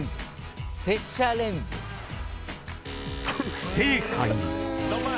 ［不正解］